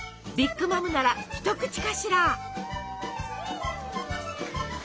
ビッグ・マムなら一口かしら。